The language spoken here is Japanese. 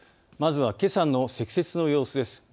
まずはけさの積雪の様子です。